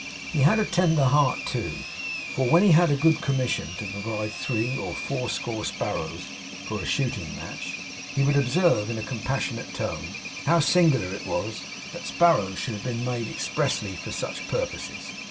He had a tender heart, too; for, when he had a good commission to provide three or four score sparrows for a shooting match, he would observe, in a compassionate tone, how singular it was that sparrows should have been made expressly for such purposes.